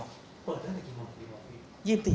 เปิดตั้งแต่กี่โมง